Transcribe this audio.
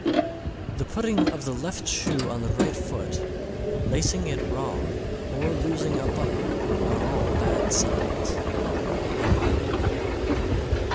_ 628. The putting of the left shoe on the right foot, lacing it wrong, or losing a button, are all bad signs. _Alabama.